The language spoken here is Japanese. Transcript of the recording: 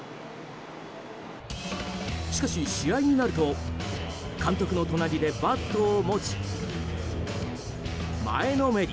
しかし、試合になると監督の隣でバットを持ち前のめり。